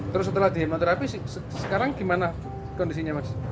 terus setelah dihipnoterapi sekarang gimana kondisinya